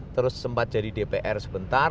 terus sempat jadi dpr sebentar